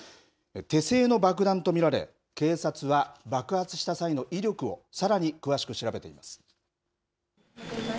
手製の爆弾と見られ、警察は爆発した際の威力を、さらに詳しく調べています。